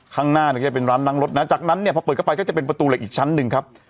ข้างหน้าเนี่ยจะเป็นร้านนั่งรถนะจากนั้นเนี่ยพอเปิดเข้าไปก็จะเป็นประตูเหล็กอีกชั้นหนึ่งครับ